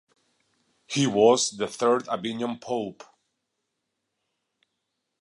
He was the third Avignon Pope.